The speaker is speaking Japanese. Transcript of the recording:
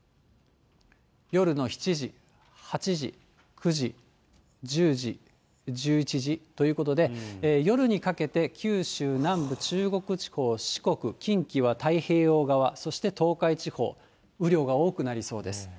夜の７時、８時、９時、１０時、１１時ということで、夜にかけて九州南部、中国地方、四国、近畿は太平洋側、そして東海地方、雨量が多くなりそうです。